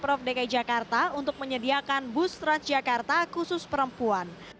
pemprov dki jakarta untuk menyediakan bus transjakarta khusus perempuan